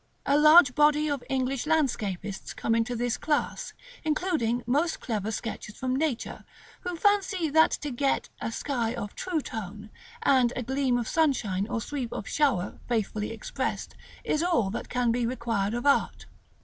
A large body of English landscapists come into this class, including most clever sketchers from nature, who fancy that to get a sky of true tone, and a gleam of sunshine or sweep of shower faithfully expressed, is all that can be required of art.